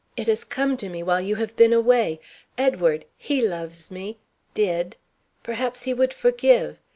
It has come to me while you have been away. Edward he loves me did perhaps he would forgive.